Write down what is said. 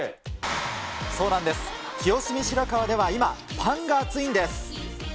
そうなんです、清澄白河では今、パンが熱いんです。